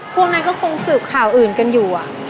พวกนั้นก็คงสืบข่าวอื่นกันอยู่